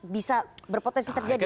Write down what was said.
bisa berpotensi terjadi